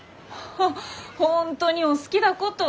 ほ本当にお好きだこと！